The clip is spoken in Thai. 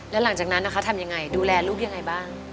แล้วหลังจากนั้นนะคะทำยังไงดูแลลูกยังไงบ้าง